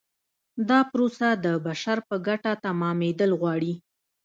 دا پروسه د بشر په ګټه تمامیدل غواړي.